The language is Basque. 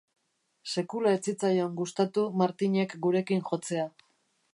Sekula ez zitzaion gustatu Martinek gurekin jotzea.